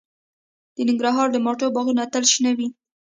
د ننګرهار د مالټو باغونه تل شنه وي.